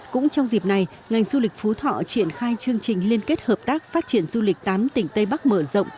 cũng trong dịp này ngành du lịch phú thọ triển khai chương trình liên kết hợp tác phát triển du lịch tám tỉnh tây bắc mở rộng